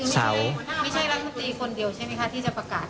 ไม่ใช่รัฐมนตรีคนเดียวใช่ไหมคะที่จะประกาศ